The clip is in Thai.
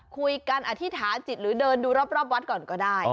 อธิษฐานจิตหรือเดินดูรอบวัดก่อนก็ได้